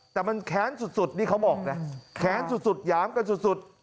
แต่มันแค้นสุดนี่เขาบอกนะแค้นสุดหยามกันสุด